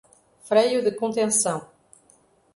Freio de contenção